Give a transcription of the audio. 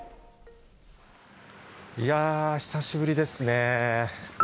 いやぁ、久しぶりですね。